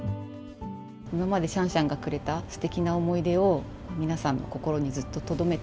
今までシャンシャンがくれたすてきな思い出を、皆さんの心にずっととどめて、